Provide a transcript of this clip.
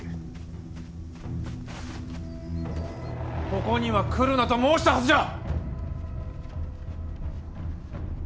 ここには来るなと申したはずじゃ！